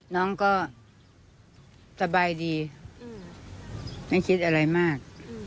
น้องก็สบายดีไม่คิดอะไรมาก